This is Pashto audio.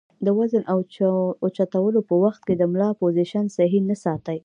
د وزن اوچتولو پۀ وخت د ملا پوزيشن سهي نۀ ساتي